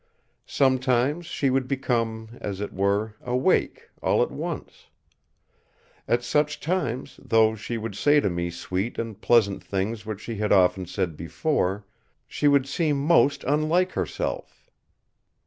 Sometimes she would become, as it were, awake all at once. At such times, though she would say to me sweet and pleasant things which she had often said before, she would seem most unlike herself.